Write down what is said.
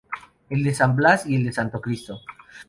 El de San Blas y el del Santo Cristo.